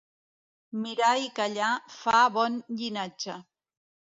Mirar i callar fan bon llinatge.